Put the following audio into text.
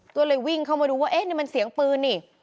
ก็เลยวิ่งเข้ามาดูว่าเอ๊ะนี่มันเสียงปืนนี่